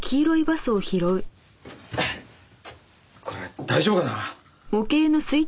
これ大丈夫かな？